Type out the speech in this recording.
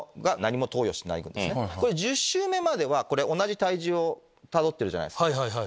１０週目までは同じ体重をたどってるじゃないですか。